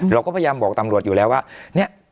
เราก็พยายามบอกตำรวจอยู่แล้วว่าเนี่ย